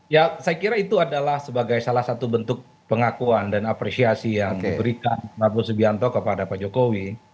ya saya kira itu adalah sebagai salah satu bentuk pengakuan dan apresiasi yang diberikan prabowo subianto kepada pak jokowi